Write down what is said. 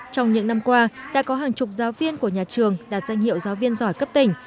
trong những năm qua đã có hàng chục giáo viên của nhà trường đạt danh hiệu giáo viên giỏi cấp tỉnh